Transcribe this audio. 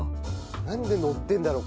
なんでのってるんだろう？